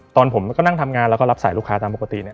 ผมก็นั่งทำงานแล้วก็รับสายลูกค้าตามปกติเนี่ย